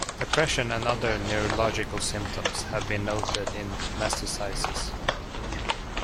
Depression and other neurological symptoms have been noted in mastocytosis.